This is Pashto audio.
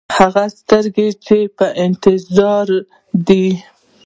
هغه سترګې چې په انتظار یې دی.